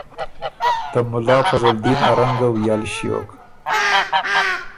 ته مُلا فضل دین ا رنګ ګه وئل ݭیوک